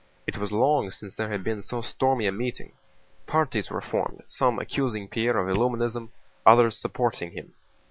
It was long since there had been so stormy a meeting. Parties were formed, some accusing Pierre of Illuminism, others supporting him.